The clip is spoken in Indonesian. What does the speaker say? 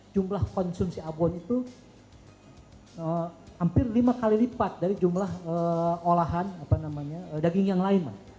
jumlah konsumsi abon itu hampir lima kali lipat dari jumlah olahan daging yang lain